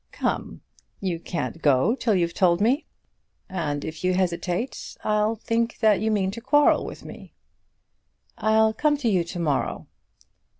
"Come; you can't go till you've told me; and if you hesitate, I shall think that you mean to quarrel with me." "I'll come to you to morrow."